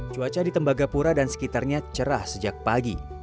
cuaca di tembagapura dan sekitarnya cerah sejak pagi